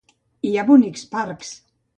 Hi ha bonics parcs.